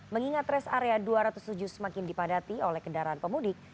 mengingat res area dua ratus tujuh semakin dipadati oleh kendaraan pemudik